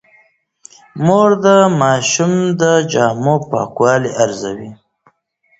مور د ماشوم د جامو پاکوالی ارزوي.